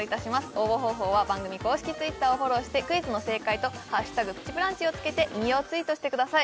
応募方法は番組公式Ｔｗｉｔｔｅｒをフォローしてクイズの正解と「＃プチブランチ」を付けて引用ツイートしてください